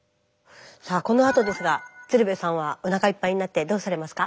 さあこのあとですが鶴瓶さんはおなかいっぱいになってどうされますか？